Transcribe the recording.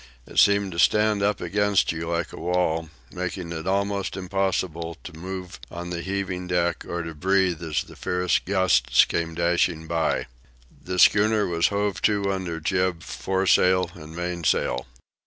It seemed to stand up against you like a wall, making it almost impossible to move on the heaving decks or to breathe as the fierce gusts came dashing by. The schooner was hove to under jib, foresail, and mainsail.